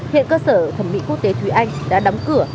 hiện cơ sở thẩm mỹ quốc tế thúy anh đã đóng cửa